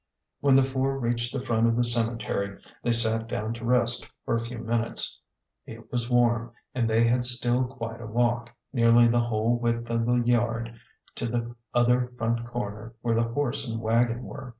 When the four reached the front of the cemetery they sat down to rest for a few minutes. It was warm, and they had still quite a walk, nearly the whole width of the yard, to the other front corner where the horse and wagon were.